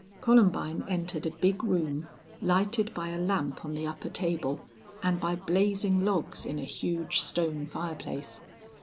Columbine entered a big room lighted by a lamp on the upper table and by blazing logs in a huge stone fireplace.